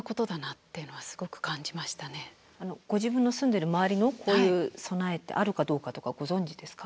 ご自分の住んでる周りのこういう備えってあるかどうかとかご存じですか？